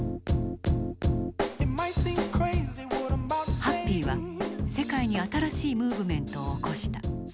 「ＨＡＰＰＹ」は世界に新しいムーブメントを起こした。